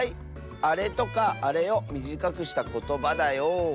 「あれ」とか「あれ」をみじかくしたことばだよ。